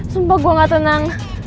sumpah gue gak tenang